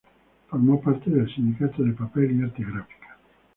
Formó parte del "Sindicato del Papel y Artes Gráficas".